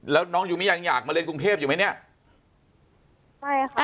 แล้วน้องยูมี่ยังอยากมาเรียนกรุงเทพอยู่ไหมเนี่ยไม่ค่ะ